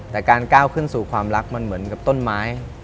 แต่การก้าวขึ้นสู่ความรักมันเหมือนกับต้นไม้